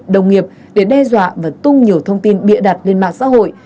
đồng nghiệp để đe dọa và tung nhiều thông tin bịa đặt lên mạng xã hội